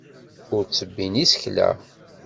Ur ttebbin isekla.